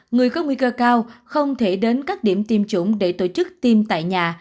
người có nguy cơ cao không thể đến các điểm tiêm chủng để tổ chức tiêm tại nhà